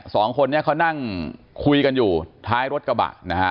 สองคนนี้เขานั่งคุยกันอยู่ท้ายรถกระบะนะฮะ